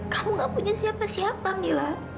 kamu gak punya siapa siapa mila